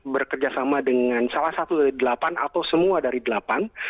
bekerjasama dengan salah satu dari delapan atau semua dari delapan